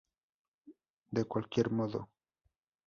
De cualquier modo, Ms.